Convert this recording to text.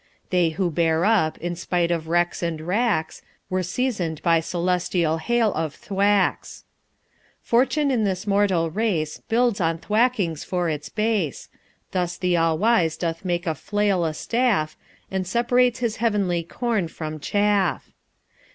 They who bear up, in spite of wrecks and wracks, Were season 'd by celestial hail of thwacks. Fortune in this mortal race Builds on thwackings for its base; Thus the All Wise doth make a flail a staff, And separates his heavenly corn from chaff.